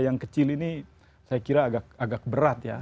yang kecil ini saya kira agak berat ya